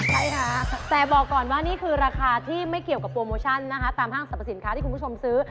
ใช่ค่ะแต่บอกก่อนว่านี่คือราคาที่ไม่เกี่ยวกับโปรโมชั่นนะคะตามห้างสรรพสินค้าที่คุณผู้ชมซื้อ